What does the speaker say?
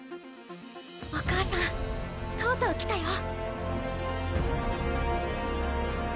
お母さんとうとう来たよ。